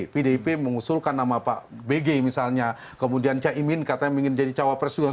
pdip mengusulkan nama pak bg misalnya kemudian cah imin katanya ingin jadi cawapresiden